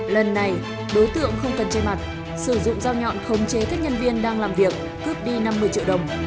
lần này đối tượng không cần trên mặt sử dụng dao nhọn khống chế các nhân viên đang làm việc cướp đi năm mươi triệu đồng